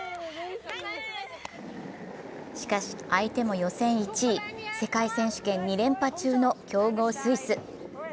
しかし、相手も予選１位、世界選手権２連覇中の強豪スイス。